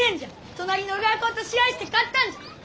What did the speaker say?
隣の学校と試合して勝ったんじゃあ。